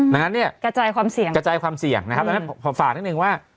งั้นนี้กระจายความเสี่ยงพอฝากนิดนึงหนึ่งว่า